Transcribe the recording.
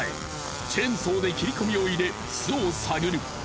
チェーンソーで切り込みを入れ巣を探る。